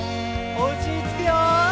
おうちにつくよ。